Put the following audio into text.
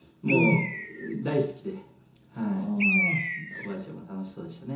おばあちゃんも楽しそうでしたね。